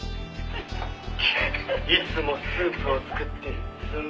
「いつもスープを作ってる寸胴鍋」